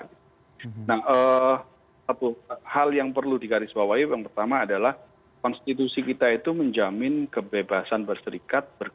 nah satu hal yang perlu digarisbawahi yang pertama adalah konstitusi kita itu menjamin kebebasan berserikat